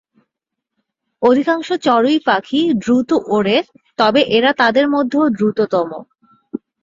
অধিকাংশ চড়ুই পাখি দ্রুত ওড়ে তবে এরা তাদের মধ্যেও দ্রুততম।